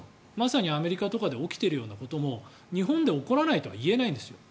まさにアメリカとかで起きていることも日本で起こらないとは言えないんですよ。